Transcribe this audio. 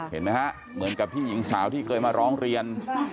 เห็นไหมฮะเหมือนกับพี่หญิงสาวที่เคยมาร้องเรียน